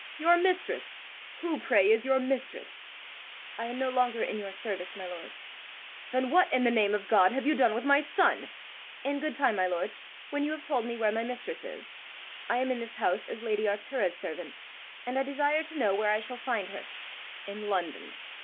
"Your mistress! Who, pray, is your mistress!" "I am no longer in your service, my lord." "Then what, in the name of God, have you done with my son?" "In good time, my lord, when you have told me where my mistress is! I am in this house as lady Arctura's servant; and I desire to know where I shall find her." "In London."